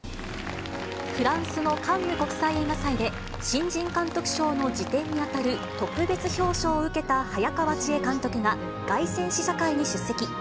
フランスのカンヌ国際映画祭で、新人監督賞の次点に当たる特別表彰を受けた早川千絵監督が、凱旋試写会に出席。